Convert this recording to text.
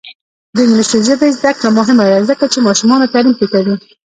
د انګلیسي ژبې زده کړه مهمه ده ځکه چې ماشومانو تعلیم ښه کوي.